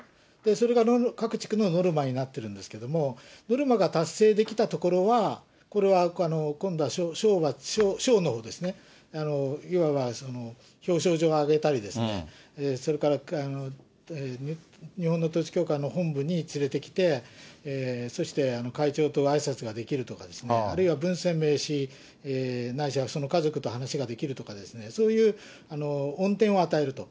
それが各地区のノルマになってるんですけども、ノルマが達成できたところは、これは今度は賞のほうですね、いわば表彰状をあげたり、それから日本の統一教会の本部に連れてきて、そして会長とあいさつができるとかですね、あるいは文鮮明氏、ないしはその家族と話ができるとかですね、そういう恩典を与えると。